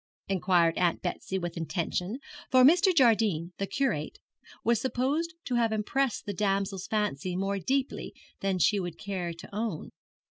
inquired Aunt Betsy with intention, for Mr. Jardine, the curate, was supposed to have impressed the damsel's fancy more deeply than she would care to own.